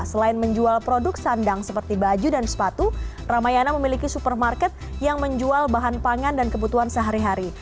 selain menjual produk sandang seperti baju dan sepatu ramayana memiliki supermarket yang menjual bahan pangan dan kebutuhan sehari hari